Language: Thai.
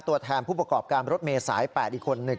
ตัวแทนผู้ประกอบการรถเมย์สาย๘อีกคนหนึ่ง